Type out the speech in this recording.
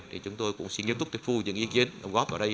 thì chúng tôi cũng xin nghiêm túc tiếp thu những ý kiến góp vào đây